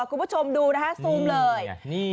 คุณผู้ชมดูนะคะซูมเลย